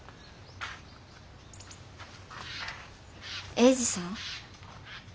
英治さん？